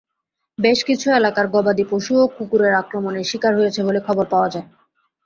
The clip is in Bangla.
বেশ কিছু এলাকায় গবাদিপশুও কুকুরের আক্রমণের শিকার হয়েছে বলে খবর পাওয়া যায়।